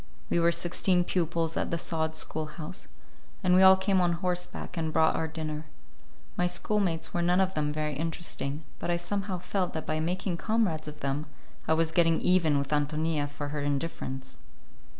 We were sixteen pupils at the sod schoolhouse, and we all came on horseback and brought our dinner. My schoolmates were none of them very interesting, but I somehow felt that by making comrades of them I was getting even with Ántonia for her indifference.